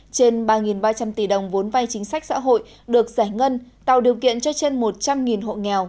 trên ba ba trăm linh tỷ đồng vốn vai chính sách xã hội được giải ngân tạo điều kiện cho trên một trăm linh hộ nghèo